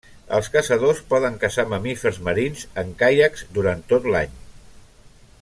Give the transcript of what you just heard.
Els caçadors poden caçar mamífers marins en caiacs durant tot l'any.